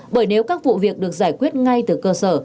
bởi nếu các vụ việc được giải quyết ngay từ cơ sở